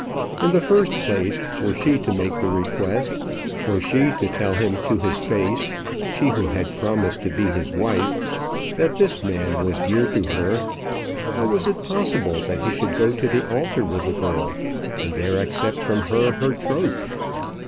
In the first place, were she to make the request, were she to tell him to his face, she who had promised to be his wife, that this man was dear to her, how was it possible that he should go to the altar with the girl, and there accept from her her troth?